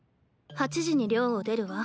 ８時に寮を出るわ。